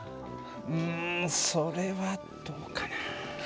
うんそれはどうかな。